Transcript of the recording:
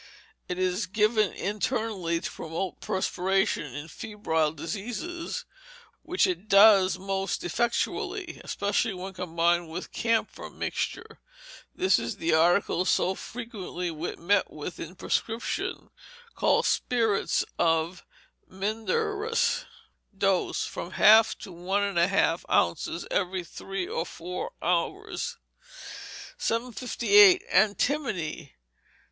It is given internally to promote perspiration in febrile diseases, which it does most effectually, especially when combined with camphor mixture. This is the article so frequently met with in prescriptions, and called spirits of mindercrus. Dose, from a half to one and a half ounces every three or four hours. 758. Antimony.